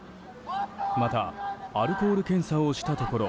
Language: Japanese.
またアルコール検査をしたところ